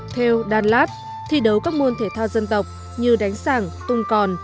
theo đan lát thi đấu các môn thể thao dân tộc như đánh sảng tung còn